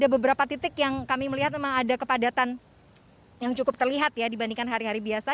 ada beberapa titik yang kami melihat memang ada kepadatan yang cukup terlihat ya dibandingkan hari hari biasa